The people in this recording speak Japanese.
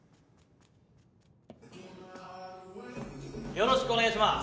よろしくお願いします。